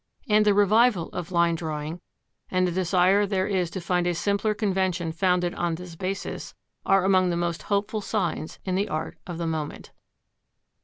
And the revival of line drawing, and the desire there is to find a simpler convention founded on this basis, are among the most hopeful signs in the art of the moment.